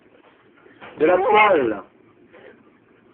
De la toile!